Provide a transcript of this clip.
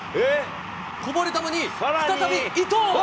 こぼれ球に再び、伊藤。